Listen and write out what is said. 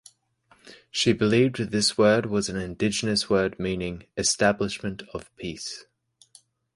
She believed this word was an indigenous word meaning "establishment of peace".